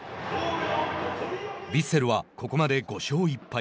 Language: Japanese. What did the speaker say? ヴィッセルはここまで５勝１敗。